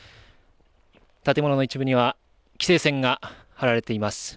建物の一部には規制線が張られています。